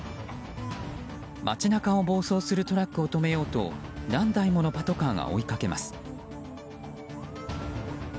街中を暴走するトラックを止めようと何台ものパトカーが追いかけます。